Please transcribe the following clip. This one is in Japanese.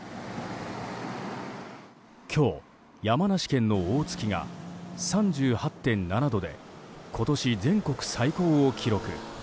今日、山梨県の大月が３８．７度で今年、全国最高を記録。